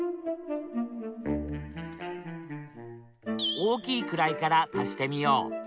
大きい位から足してみよう。